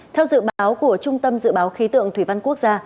theo dự báo của trung tâm dự báo khí tượng thủy văn quốc gia